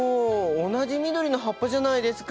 同じ緑の葉っぱじゃないですか！